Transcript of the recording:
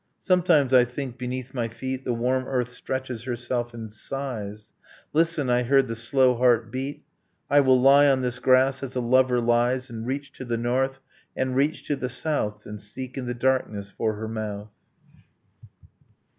Sometimes, I think, beneath my feet, The warm earth stretches herself and sighs. ... Listen! I heard the slow heart beat. ... I will lie on this grass as a lover lies And reach to the north and reach to the south And seek in the darkness for her mouth.